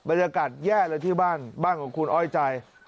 บรรยากาศแย่เลยที่บ้านบ้านของคุณอ้อยใจ